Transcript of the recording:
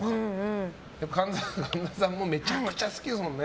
神田さんもめちゃくちゃ好きですもんね。